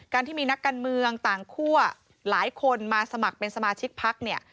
ที่มีนักการเมืองต่างคั่วหลายคนมาสมัครเป็นสมาชิกพักเนี่ย